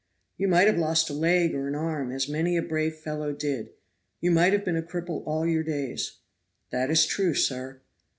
"You might have lost a leg or an arm, as many a brave fellow did; you might have been a cripple all your days." "That is true, sir."